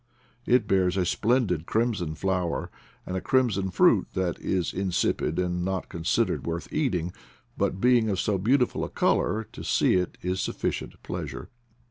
It bears a splendid crimson flower, and a crimson fruit that is insipid and not considered worth eat ing; but being of so beautiful a color to see it is sufficient pleasure.